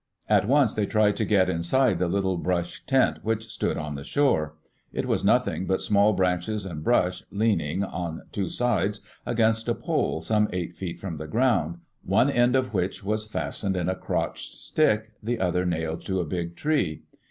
At once they tried to get inside the little brush tent which stood on the shore. It was nothing but small branches and brush, leaning, on two sides, against a pole some eight feet from the ground, one end of which was fastened in a crotched stick, the other nailed to a big tree.